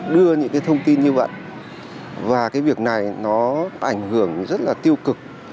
đưa những cái thông tin như vậy và cái việc này nó ảnh hưởng rất là tiêu cực